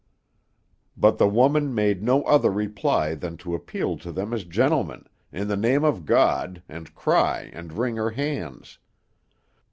But the woman made no other reply than to appeal to them as gentlemen, in the name of God, and cry, and wring her hands.